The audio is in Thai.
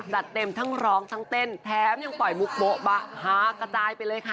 จัดเต็มทั้งร้องทั้งเต้นแถมยังปล่อยมุกโบ๊บะฮากระจายไปเลยค่ะ